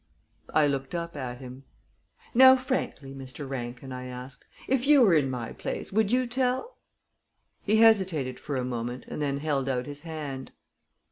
I looked up at him. "Now, frankly, Mr. Rankin," I asked, "if you were in my place, would you tell?" He hesitated for a moment, and then held out his hand.